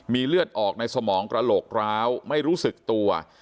มีเลือดออกในสมองกระโหลกร้าวไม่รู้สึกตัว